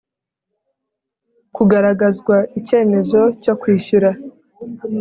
kugaragazwa icyemezo cyo kwishyura